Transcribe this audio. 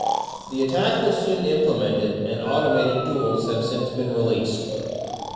The attack was soon implemented, and automated tools have since been released.